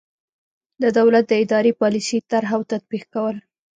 د دولت د اداري پالیسۍ طرح او تطبیق کول.